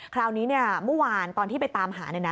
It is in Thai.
คราวนี้มุมวานตอนที่ไปตามหา